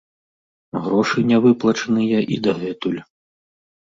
Грошы не выплачаныя і дагэтуль.